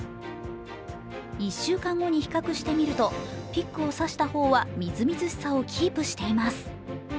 １週間後に比較してみると、ピックを刺した方はみずみずしさをキープしています。